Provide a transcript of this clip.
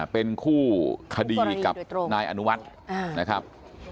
เป็นคู่คดีกับนายอนุวัฒน์นะครับ